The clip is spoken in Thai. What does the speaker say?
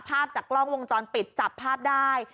ภาพจากกล้องวงจรปิดจับภาพได้